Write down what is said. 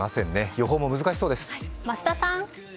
予報も難しそうです。